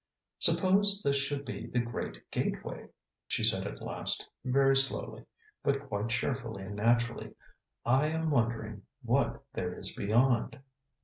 "Suppose this should be the Great Gateway," she said at last, very slowly, but quite cheerfully and naturally. "I am wondering what there is beyond."